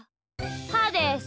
はーです。